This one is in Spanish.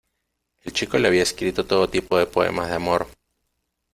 El chico le había escrito todo tipo de poemas de amor.